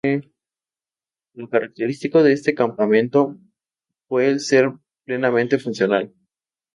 Lo característico de este campamento, fue el ser plenamente funcional.